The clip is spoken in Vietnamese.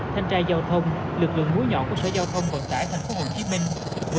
thanh tra giao thông lực lượng múi nhỏ của sở giao thông vận tải thành phố hồ chí minh vừa